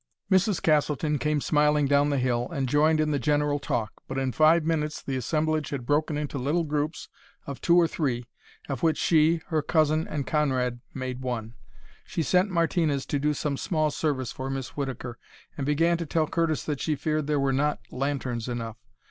Mrs. Castleton came smiling down the hill and joined in the general talk. But in five minutes the assemblage had broken into little groups of two or three, of which she, her cousin, and Conrad made one. She sent Martinez to do some small service for Miss Whittaker, and began to tell Curtis that she feared there were not lanterns enough.